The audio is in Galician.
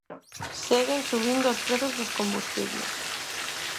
Seguen subindo os prezos dos combustibles.